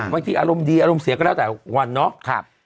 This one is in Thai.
บางทีอารมณ์ดีอารมณ์เสียก็แล้วแต่วันเนาะ